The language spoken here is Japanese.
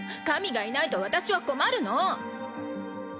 神がいないと私は困るの！